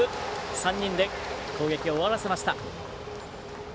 ３人で攻撃を終わらせました。